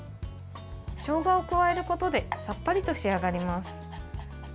しょうがを加えることでさっぱりと仕上がります。